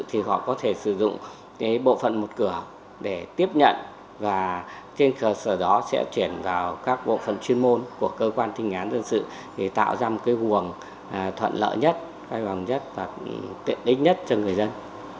thì họ có thể sử dụng bộ phận một cửa để tiếp nhận và trên cửa sở đó sẽ chuyển vào các bộ phận chuyên môn của cơ quan thi hành án dân sự để tạo ra một cái vùng thuận lợi nhất phai hoàng nhất và tiện đích nhất cho người dân